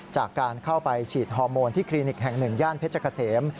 จากการเข้าไปฉีดฮอร์โมนที่คลินิกแห่ง๑ย่านเพชรเกษม